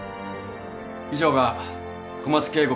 以上が小松圭吾